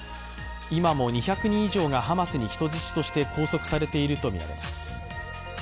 今も２００人以上がハマスに人質として拘束されているとみられています。